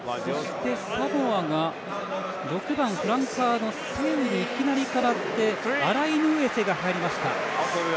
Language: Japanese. そして、サモアが６番、フランカーの選手がいきなり変わってアライヌウエセが入りました。